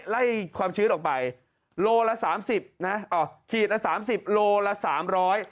ความชื้นออกไปโลละสามสิบนะอ๋อขีดละสามสิบโลละสามร้อย